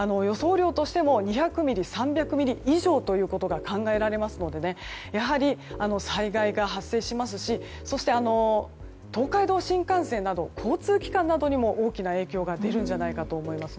雨量としても２００ミリ、３００ミリ以上ということが考えられますのでやはり災害が発生しますしそして東海道新幹線など交通機関などにも大きな影響が出るんじゃないかと思います。